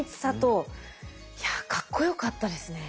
いやかっこよかったですね。